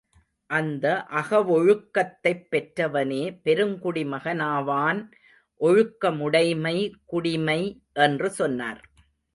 அந்த அகவொழுக்கத்தைப் பெற்றவனே பெருங்குடிமகனாவான் ஒழுக்கமுடைமை குடிமை என்று சொன்னார்.